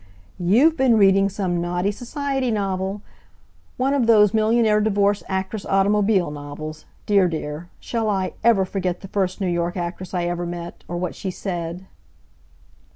"You've been reading some naughty society novel! One of those millionaire divorce actress automobile novels. Dear, dear! Shall I ever forget the first New York actress I ever met; or what she said!"